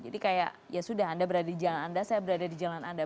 jadi kayak ya sudah anda berada di jalan anda saya berada di jalan anda